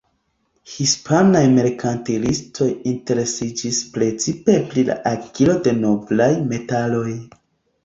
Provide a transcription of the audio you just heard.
Hispanaj merkantilistoj interesiĝis precipe pri la akiro de noblaj metaloj.